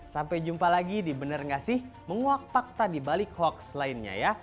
sampai jumpa lagi di bener nggak sih menguak fakta di balik hoax lainnya ya